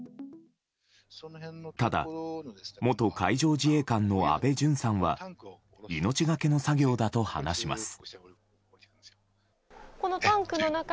ただ、元海上自衛官の安倍淳さんは命がけの作業だと話します。